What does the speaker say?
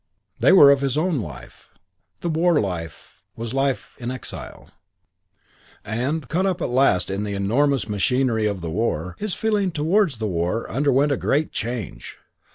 They were of his own life: the war life was life in exile. And, caught up at last in the enormous machinery of the war, his feelings towards the war underwent a great change.